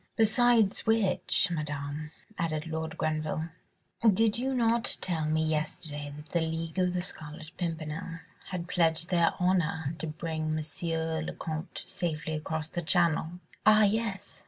"Besides which, Madame," added Lord Grenville, "did you not tell me yesterday that the League of the Scarlet Pimpernel had pledged their honour to bring M. le Comte safely across the Channel?" "Ah, yes!"